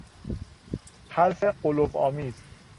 حرف غلوآمیز